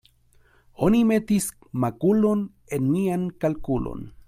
Oni metis makulon en mian kalkulon.